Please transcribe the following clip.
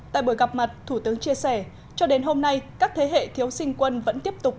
tại buổi gặp mặt thủ tướng chia sẻ cho đến hôm nay các thế hệ thiếu sinh quân vẫn tiếp tục